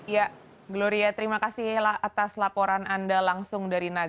ya gloria terima kasih atas laporan anda langsung dari naga